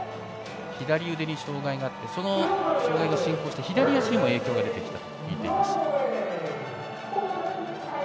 左腕に障がいがあってその障がいが進行して左足にも影響が出てきたと聞いています。